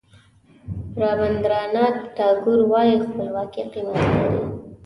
رابندراناټ ټاګور وایي خپلواکي قیمت لري.